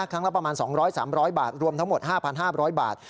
ครั้งละประมาณ๒๐๐๓๐๐บาทรวมทั้งหมด๕๕๐๐บาท